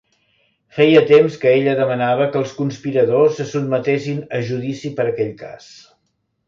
Feia temps que ella demanava que els conspiradors se sotmetessin a judici per aquell cas.